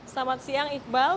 selamat siang iqbal